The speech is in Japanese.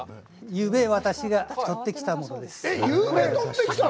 ゆうべ、私が取ってきたものです。